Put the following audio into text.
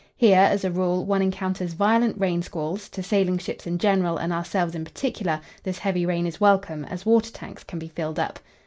Here, as a rule, one encounters violent rain squalls; to sailing ships in general and ourselves in particular this heavy rain is welcome, as water tanks can be filled up.